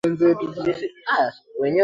nini hapa Ili kuzuia uchovu wa utalii